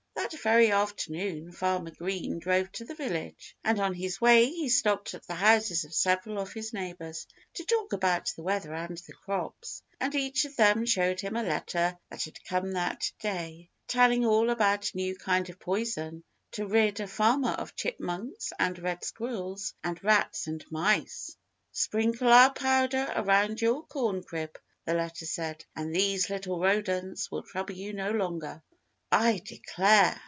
That very afternoon Farmer Green drove to the village. And on his way he stopped at the houses of several of his neighbors, to talk about the weather and the crops. And each one of them showed him a letter that had come that day, telling all about a new kind of poison, to rid a farmer of chipmunks and red squirrels and rats and mice. "Sprinkle our powder around your corn crib," the letter said, "and these little rodents will trouble you no longer." "I declare!"